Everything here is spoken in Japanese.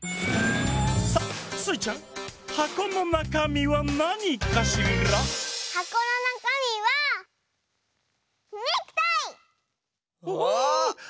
さあスイちゃんはこのなかみはなにかしら？はこのなかみはネクタイ！あたりニャ！